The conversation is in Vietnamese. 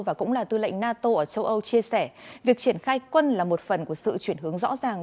và cũng là tư lệnh nato ở châu âu chia sẻ việc triển khai quân là một phần của sự chuyển hướng rõ ràng